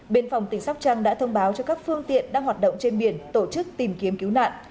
biên phòng tỉnh sóc trăng đã thông báo cho các phương tiện đang hoạt động trên biển tổ chức tìm kiếm cứu nạn